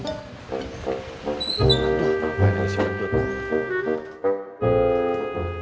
apaan ini si bapak